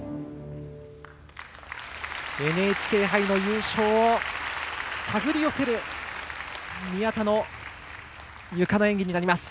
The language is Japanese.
ＮＨＫ杯の優勝を手繰り寄せる宮田のゆかの演技になります。